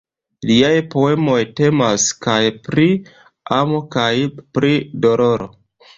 Liaj poemoj temas kaj pri amo kaj pri doloro.